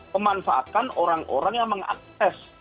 pemanfaatan orang orang yang mengakses